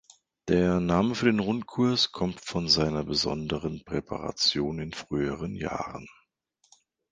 Der Name für den Rundkurs kommt von seiner besonderen Präparation in früheren Jahren.